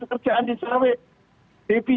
kehutangan ekspor tujuh puluh satu triliun